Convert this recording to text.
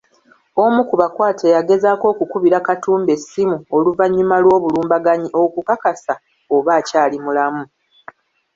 Omu ku bakwate yagezaako okukubira Katumba essimu oluvannyuma lw’obulumbaganyi okukakasa oba akyali mulamu.